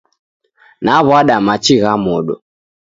Naw'ada machi gha modo